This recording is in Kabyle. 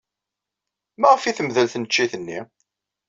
Maɣef ay temdel tneččit-nni?